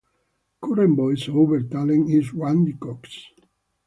Current voice over talent is Randy Cox.